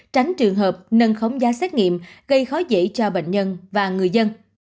tránh trường hợp nâng khống giá xét nghiệm gây khó dễ cho bệnh nhân và người dân